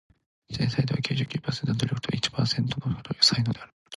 天才とは九十九パーセントの努力と一パーセントの才能である